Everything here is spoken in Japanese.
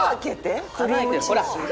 ほら！